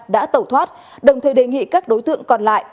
đã tẩu thoát đồng thời đề nghị các đối tượng còn lại